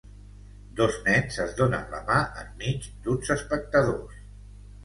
Dos nens es donen la mà enmig d'uns espectadors.